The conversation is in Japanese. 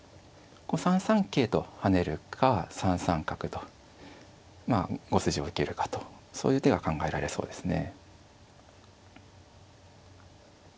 ３三桂と跳ねるか３三角と５筋を受けるかとそういう手が考えられそうですね。